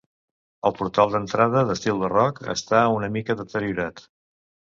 El portal d'entrada, d'estil barroc, està una mica deteriorat.